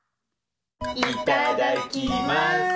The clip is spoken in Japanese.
いただきます。